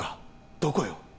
どこよ？